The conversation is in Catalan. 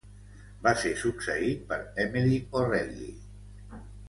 Va ser succeït per Emily O'Reilly.